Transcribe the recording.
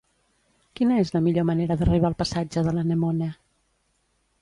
Quina és la millor manera d'arribar al passatge de l'Anemone?